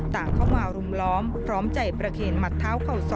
ต่างเข้ามารุมล้อมพร้อมใจประเคนหมัดเท้าเข่า๒